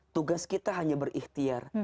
tugas kita hanya berikhtiar